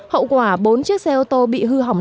hậu quả bốn chiếc xe ô tô bị hư hỏng nặng